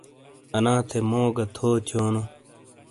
انا تھے مو گہتھو تھیونو ؟